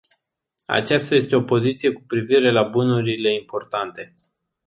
Aceasta este poziția cu privire la bunurile importate.